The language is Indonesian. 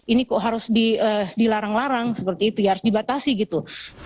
ini kok harus dilarang larang seperti itu ya harus dibatasi gitu